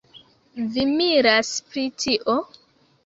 Vi miras pri tio?